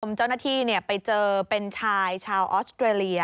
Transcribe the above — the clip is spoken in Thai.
เจ้าหน้าที่ไปเจอเป็นชายชาวออสเตรเลีย